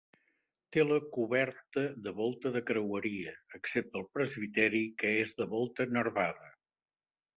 Té la coberta de volta de creueria, excepte el presbiteri que és de volta nervada.